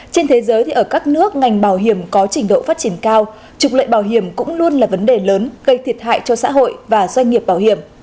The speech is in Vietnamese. trên thế giới thì ở các nước ngành bảo hiểm có trình độ phát triển cao trục lợi bảo hiểm cũng luôn là vấn đề lớn gây thiệt hại cho xã hội và doanh nghiệp bảo hiểm